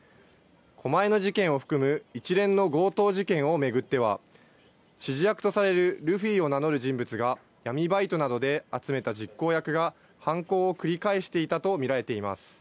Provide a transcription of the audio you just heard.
狛江の事件を含む一連の強盗事件を巡っては、指示役とされるルフィを名乗る人物が、闇バイトなどで集めた実行役が、犯行を繰り返していたと見られています。